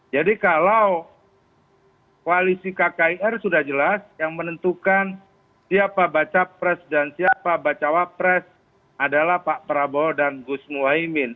jadi kalau koalisi kkir sudah jelas yang menentukan siapa baca pres dan siapa baca wapres adalah pak prabowo dan gus muwaimin